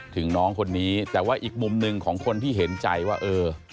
น้องคนนี้แต่ว่าอีกมุมหนึ่งของคนที่เห็นใจว่าเออ